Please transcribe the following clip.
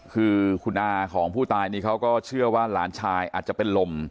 คือคุณอาของผู้ตายนี่เขาก็เชื่อว่าหลานชายอาจจะเป็นลม